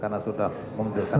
karena sudah membesarkan